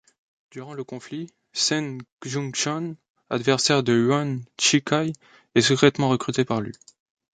Durant le conflit, Cen Chunxuan, adversaire de Yuan Shikai, est secrètement recruté par Lu.